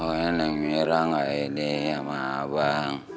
oh ini mira gak ini sama abang